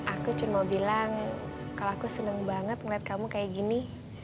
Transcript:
aku cuma bilang kalau aku seneng banget ngeliat kamu kayak gini